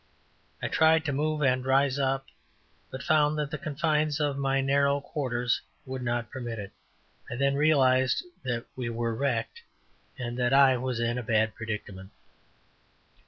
I tried to move and rise up, but found that the confines of my narrow quarters would not permit it. I then realized that we were wrecked and that I was in a bad predicament.